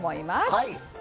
はい。